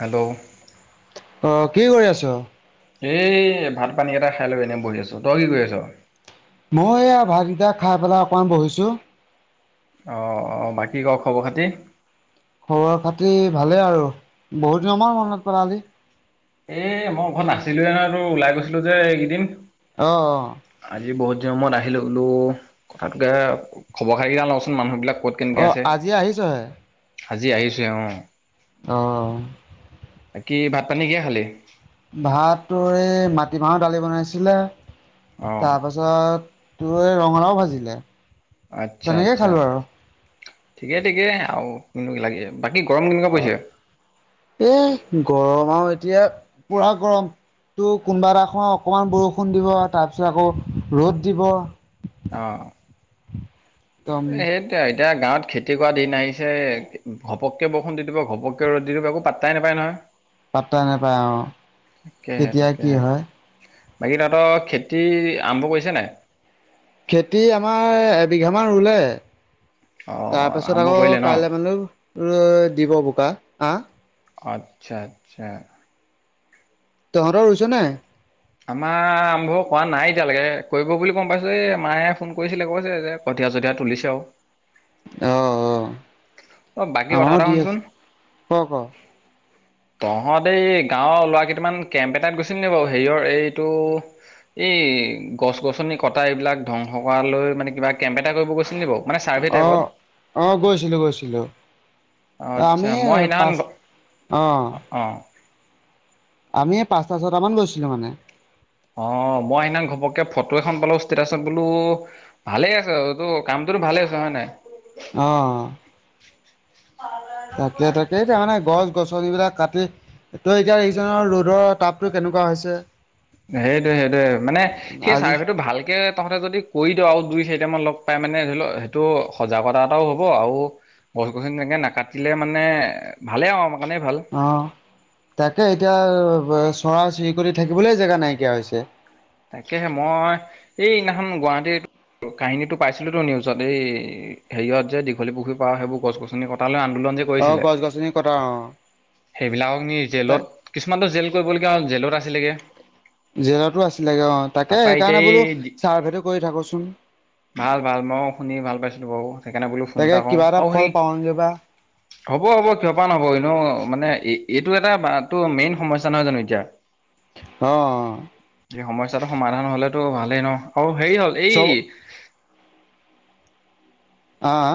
Hello? অ কি কৰি আছ? এই ভাত পানীকেইটা খাই লৈ এনেই বহি আছোঁ। তই কি কৰি আছ? মই এই ভাত কেইটা খাই পেলাই অকণমান বহিছোঁ। অঁ অঁ বাকী ক খবৰ খাতি? খবৰ খাতি ভালেই আৰু, বহু দিনৰ মান মনত পেলালি? এ মই ঘৰত নাছিলোয়ে নহয়, তোৰ ওলাই গৈছিলো যে এইকেইদিন। অ' অ'। আজি বহুত দিনৰ মুৰত আহিলো বোলো কথাতোকে খবৰ খাতিকে লওঁচোন মানুহ বিলাক ক'ত অ কেনেকে আজি আহিছহে আছে আজি আহিছো অ'। অ'। বাকি ভাত পানী কিহৰে খালি? ভাত তোৰ এই মাটিমাহৰ দালি বনাইছিলে অঁ তাৰপাছত ছত তোৰ এই ৰঙালাও ভাজিলে। আচ্ছা তেনেকেই আচ্ছা খালো আৰু ঠিকে ঠিকে আৰু কিবা কিবি লাগি আছে, বাকী গৰম কেনেকুৱা পৰিছে? এ গৰম আৰু এতিয়া পুৰা গৰম। টো কোনোবা এটা খ অকনমান বৰষুণ দিব তাৰ পিছত আকৌ ৰ'দ দিব। অ'। একদম সেই এয়া এতিয়া গাঁৱত খেতি কৰা দিন আহিছে। ঘপকে বৰুণ দি দিব, ঘপকে ৰ'দ দি দিব একৌ পাত তাই নে পাই নহয়। পাত্তা নাপায় অ' তাকেহে কেতিয়া কি তাকেহে হয়? বাকী তহঁতৰ খেতি আৰম্ভ কৰিছেনে নাই? খেতি আমাৰ এবিঘামান ৰুলে। অ তাৰ পাছত আৰম্ভ আকৌ কৰিলে ন কাইলৈ মানে দিব বোকা আহ আচ্ছা আচ্ছা। তহঁতৰ ৰুইছেনে নাই? আমাৰ আৰম্ভ কৰা নাই এতিয়ালৈকে, কৰিব বুলি গম পাইছো এই মায়ে ফোন কৰিছিলে কইছে যে কঠীয়া চঠীয়া তুলিছে আৰু। অ', অ বাকী অ' কথা আমাৰও এটা দি শুনচোন আছে ক ক। তহঁতে এই গাঁৱৰ ল'ৰা কেইটান কেম্প এটাত গৈছিল নে বাৰু। হেৰিয়ৰ এইটো এই গছ গছনি কটা এইবিলাক ধ্বংস কৰা লৈ মানে, কিবা কেম্প এটা কৰিব গৈছিল নে বাৰু? মানে ছাৰ্ভে টাইপত অ', অ' গৈছিলো গৈছিলো। আচ্ছা আমি মই এই সেইদিনাখন পাঁচ অ'। অ'। আমি এই পাঁচটা, চটামান গৈছিলো মানে। অ', মই সেইদিনা ঘপকে ফটো এখন পালো ষ্টেটাচত বোলো ভালে আছে তটো কামটো ভালে আছে হয় নে নাই? অ'। তাকে-তাকে, তাৰমানে গছ গছনিবিলাক কাটি তই এতিয়া দেখিছ নহয় ৰ'দৰ তাপতো কেনেকুৱা হৈছে? সেইটোয়ে সেইটোয়ে। মানে সেই আজি চাৰ্ভেটো ভালকে তঁহতে যদি ক কৰি দিওঁ আৰু দুই চাৰিটামান লগ পাই মানে, ধৰি লওক সেইটো সজাগতা এটাও হ'ব। আৰু গছ গছনি তেনেকৈ নাকাটিলে মানে ভালেই আৰু আমাৰ কাৰণেই ভাল। অ', তাকে এতিয়া চৰাই চিৰিকটি থাকিবলৈ জেগা নাইকিয়া হৈছে। তাকেহে মই এই সিদিনাখন গুৱাহাটীত কাহিনীটো পাইছিলো তো নিউজত। এই হেৰিয়ত যে দীঘলী পুখুৰ পৰা সেইবোৰ গছ গছনি কটালৈ আন্দোলন যে অ', কৰিছিলে গছ গছনি কটা অ'। সেইবিলাকক নি তাক জেলত কিছুমানতটো জেল কৰিবলগীয়া হ'ল জেলত আছিলেগৈ। জেলতো আছিলেগে অ' তাকে তাৰপা এতিয়া সেইকাৰণে এই বোলো চাৰ্ভেটো কৰি থাকোচোন। ভাল ভাল মই শুনি ভাল পাইছিলো বাৰু সেইকাৰণে বোলো ফোন এটা কৰ আৰু সেই মগ বাা হ'ব হ'ব ক্ষপা নহ'ব এনেও মানে, এই এইটো এটা তোৰ মেইন সমস্যা নহয় জানো এতিয়া। [inaudible] অ', অ'। এই সমস্যাটো সমাধান হলেতো ভালেই ন, আৰু হেৰি হল এই চব হা হা?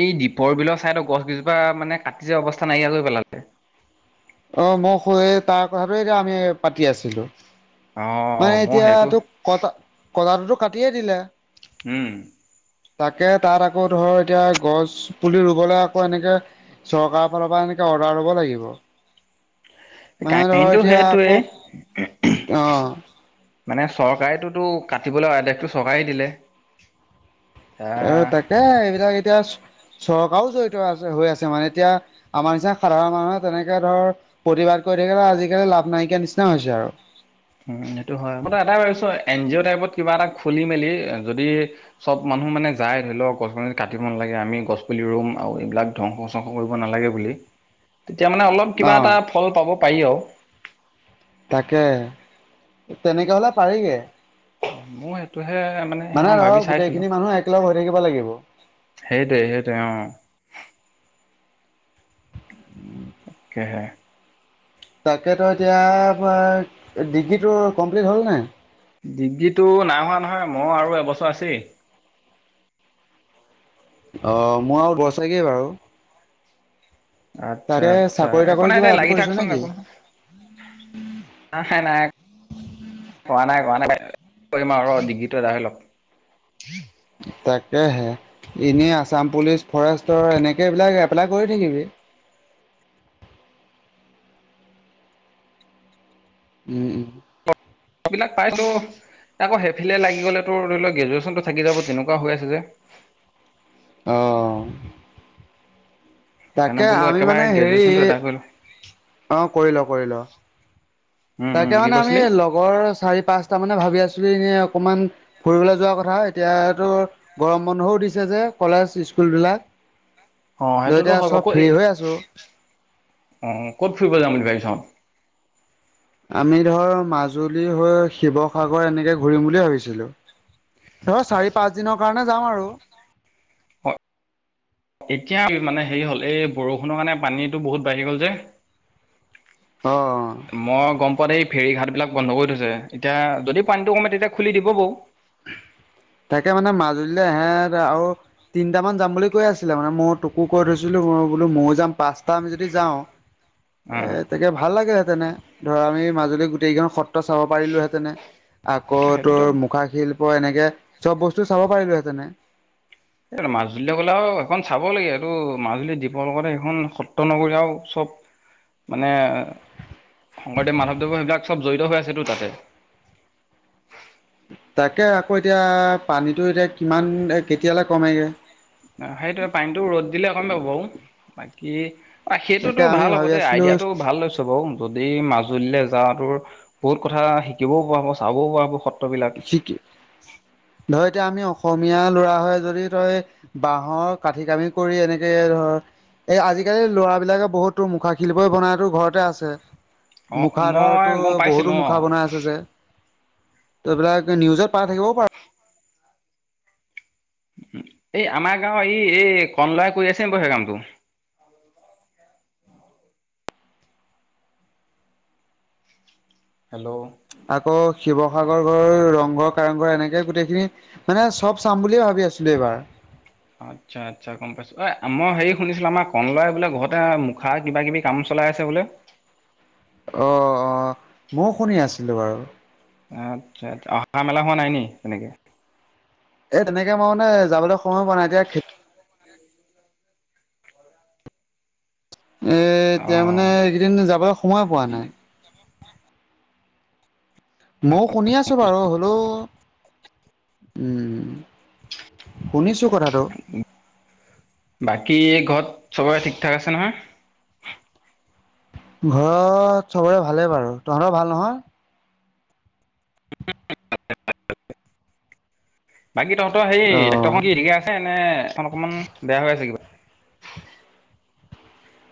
এই দ্বীপৰ বিলৰ ছাইদত, গছ গোজোপা মানে কাটি যোৱা অৱস্থা নাইকিয়াাকৈ পেলালে। অ', মই তাৰ কথাটো এতিয়া আমি পাতি আছিলো। অ মানে মই এতিয়া সেইটো তোক কটা কটাটোতো কাটিয়ে দিলে। উম। তাকে তাত আকৌ ধৰ এতিয়া গছ পুলি ৰুবলৈ আকৌ এনেকে চৰকাৰৰ ফালৰ পৰা এনেকে অৰ্ডাৰ লব লাগিব। মানে ধৰ কাহিনীতটো এতিয়া সেইটোৱেই। আকৌ অ'। মানে চৰকাৰেতোতো কাটিবলৈ আদেশটো চৰকাৰে দিলে। এ এয়া তাকে এইবিলাক এতিয়া চৰকাৰও জড়িত আছে হৈ আছে মানে এতিয়া। আমাৰ নিচনা সাধাৰণ মানুহে তেনেকে ধৰ প্ৰতিবাদ কৰি থাকিলে, আজিকালি লাভ নাইকিয়া নিচিনা হৈছে আৰু। উম, সেইটো হয়, মইটো এটাই ভাবিছোঁ এন জি অ' টাইপত কিবা এটা খুলি মেলি যদি। চ'ব মানুহ মানে যায় ধৰি লওঁক গছ গছনি কাটিব নালাগে, আমি গছ পুলি ৰুম আৰু এইবিলাক ধ্বংস চংস কৰিব নালাগে বুলি তেতিয়া, মানে অলপ অ কিবা এটা ফল পাব পাৰি আৰু। তাকে তেনেকে হ'লে পাৰিগে। মোৰ সেইটোহে মানে সেইদিনাখন ভাবি ধৰ চাইছিলোঁ। গোটেইখিনি মানুহ একেলগ হৈ থাকিব লাগিব। সেইটোৱে সেইটোৱে অ' সেয়াই। তাকেতো এতিয়া ডিগ্ৰীটো কমপ্লিট হ'ল নাই। ডিগ্ৰীটো নাই হোৱা নহয়, মই আৰু এবছৰ আছেই। অ' মোৰ আৰু বৰচাইকে বাৰু। আচ্ছা, তাকে আচ্ছা, চাকৰি একো তাকৰি নাই কিবা দে এপ্লাই লাগি কৰিছ থাকচোন নেকি একো নে নাই। কৰা নাই, কৰা নাই, কৰিম আৰু ডিগ্ৰী আদায় হয় লওঁক। তাকেহে এনে আছাম পুলিচ, ফৰেষ্টৰ এনেকে এইবিলাক এপ্লাই কৰি থাকিবি। উম, উম। বিলাক পাইতো আকৌ সেফিলে লাগি গ'লেতো ধৰি লোৱা গ্ৰেজুৱেশ্যনতটো থাকি যাব তেনেকুৱা হৈ আছে যে। অ' সেইকাৰণে তাকে বোলো আমি মানে একেবাৰে হেৰি গ্ৰেজুৱেশ্যনটো এদাই কৰিলোঁ অ' কৰিল, কৰিল। উম উম তাকে কি মানে আমি কৈছিলি লগৰ চাৰি পাঁচটা মানে ভাবি আছিলো এনে অকমান। ফুৰিবলৈ যোৱা কথা এতিয়াতো গৰম বন্ধও দিছে যে কলেজ, স্কুল বিলাক। অ' সেইটোতো হয়কৌ হৈ আছো অ' ক'ত ফুৰিব যাম বুলি ভাবিছোঁ। আমি ধৰ মাজুলী হৈ শিৱসাগৰ এনেকে ঘূৰিম বুলিয়ে ভাবিছিলোঁ। ধৰ চাৰি পাঁচ দিনৰ কাৰণে যাম আৰু এতিয়া মানে হেৰি হ'ল এই বৰষুণৰ কাৰণে পানীতটো বহুত বাঢ়ি গ'ল যে অ মই গ'ম পোৱা মতে এই ফেৰী ঘাট বিলাক বন্ধ কৰি থৈছে এতিয়া, যদি পানীটো কমে তেতিয়া খুলি দিব বৌ। [inaudible] তাকে মানে মাজুলীলৈ ইহেত আৰু তিনটামান যাম বুলি কৈ আছিলে মানে মই তোকো কৈ থৈছিলো, মই বোলো ময়ো যাম পাঁচটা আমি যদি যাওঁ। [inaudible] এ তাকে ভাল লাগে হেঁতেনে ধৰা আমি মাজুলী গোটেইকেইখন সত্ৰ চাব পাৰিলো হেঁতেনে আকৌ ত সেইটোতো মুখা শিল্প এনেকে চ'ব বস্তু চাব পাৰিলো হেতেনে এই মাজুলী গ'লে আৰু এখন চাব লাগে আৰুটো মাজুলী দ্বীপৰ লগতে সখন সত্ৰ নগৰ আৰু চ'ব মানে শংকৰদেৱ মাধৱদেৱ সেইবিলাক চ'ব জড়িত হৈ আছেতো তাতে। তাকে আকৌ এতিয়া পানীটো এতিয়া কিমান কেতিয়ালৈ কমেগৈ। সেইটো পানীতটো ৰ'দ দিলে অকন কমিব বাৰু বাকী অ' তাকে সেইটোতো আমি ভাল হ'ব ভাবি দেই আছিলো আদিয়াটো ভাল লৈছ। বাৰু যদি মাজুলীলৈ যাওঁ তোৰ বহুত কথা শিকিবও পৰা হ'ব চাবও পৰা হ'ব সত্ৰ শিকি [unintelligible] ধৰ এতিয়া আমি অসমীয়া ল'ৰা হৈ যদি তই। বাঁহৰ কাঠি কামি কৰি এনেকে ধৰ এই আজিকালি ল'ৰাবিলাকে বহুতো মুখা শিল্প বনাইতো ঘৰতে আছে। অঁ মুখা ধৰ মই তোৰ গম বহুতো পাইছিলোঁ অঁ মুখা বনাই আছে যে। ত এইবিলাক নিউজত পাই থাকিব পাৰো। এই আমাৰ গাঁওৰ এই এই কনলাই কৰি আছে বাৰু সেই কামটো হেল্ল' আকৌ শিৱসাগৰ ঘৰৰ ৰংঘৰ, কাৰেংঘৰ এনেকে গোটেইখিনি। মানে চব চাম বুলিয়ে ভাবি আছিলো এইবাৰ আচ্ছা আচ্ছা গম পাইছো এ মই হেৰি শুনিছিলো আমাৰ কনলাই বোলে ঘৰতে মুখা কিবা কিবি কাম চলাই আছে বোলে অ' অ' মইও শুনি আছিলো বাৰু আচ্ছা অহা মেলা হোৱা নাই নি তেনেকে এ তেনেকে মই মানে যাবলৈ সময় পোৱা নাই এতিয়া এতিয়া মানে অঁ এইকেইদিন যাবলৈ সময় পোৱা নাই মইও শুনি আছো বাৰু হলও শুনিছোঁ কথাটো বাকী ঘৰত চবৰে ঠিক ঠাক আছে নহয় ঘৰত চবৰে ভালেই বাৰু তহঁতৰও ভাল নহয় বাকী তহঁতৰ সেই অ', ট্ৰেক্টৰখন কি ঠিকেই আছে নে এখন অকণমান বেয়া হৈ আছে কিবা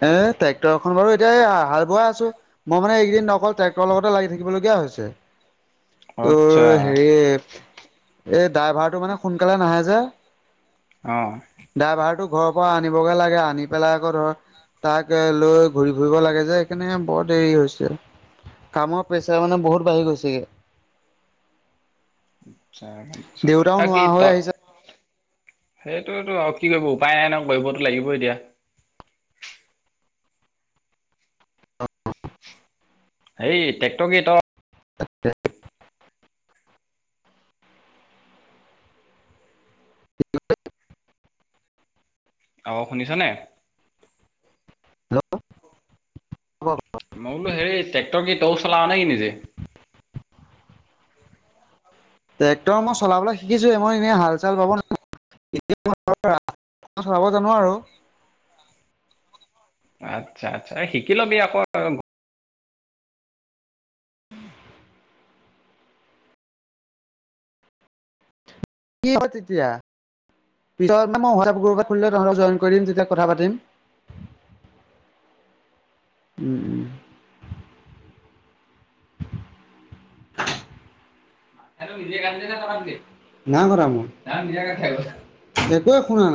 এ ট্ৰেক্টৰ এখন বাৰু এতিয়া হাল বোৱাই আছো মই মানে এইকদিন ন অকল ট্ৰেক্টৰ লগতে লাগি থাকিবলগীয়া হৈছে তোৰ আচ্ছা হেৰি এই ড্ৰাইভাৰটো মানে সোনকালে নাহে যে অঁ ড্ৰাইভাৰ টো ঘৰৰ পৰা আনিবগে লাগে আনি পেলাই আকৌ ধৰ তাক লৈ ঘূৰি ফুৰিব লাগে যে সেইকাৰণে বৰ দেৰি হৈছে কামৰ প্ৰেছাৰ মানে বহুত বাঢ়ি গৈছেগে আ গ পছো দেউতাও আৰু কি নোৱাৰা হৈ ত [unintelligible] আহিছে [unintelligible] সেইটোতো আৰু কি কৰিব উপায় নাই ন কৰিবতো লাগিবই এতিয়া অ [inaudible] হেই ট্ৰেক্ৰ কেইটা [unintelligible] [unintelligible] তচ [inaudible] অ' শুনিছনে মই বোলো হেৰি ট্ৰেক্টৰ কি তইও চলাও নে কি নিজে ট্ৰেক্টৰ মই চলাবলৈ শিকিছো মই এনেই হাল চাল বাব তি চাব জানো আৰু [unintelligible] [unintelligible] আচ্ছা আচ্ছা শিকি লবি আকৌ কি হ তে এতিয়া [unintelligible] [unintelligible] পিছত মইআুল তহঁত জইন কৰিম তেতিয়া কথা পাতিম [unintelligible] [unintelligible] উম উম [inaudible] স [inaudible] হেলল বিজয় গানে যো ত দে নাই কৰা মই একোৱে শুনা